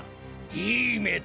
いい目だ。